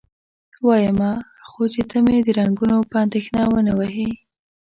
وایمه یې، خو چې ته مې د رنګونو په اندېښنه و نه وهې؟